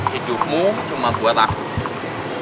hidupmu cuma buat aku